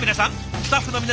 スタッフの皆さん